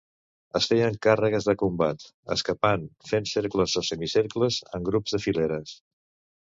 Es feien càrregues de combat, escapant fent cercles o semicercles en grups de fileres.